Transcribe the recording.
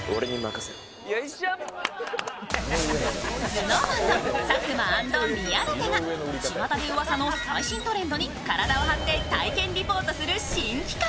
ＳｎｏｗＭａｎの佐久間と宮舘がちまたでうわさの最新トレンドに体を張って体験リポートする新企画。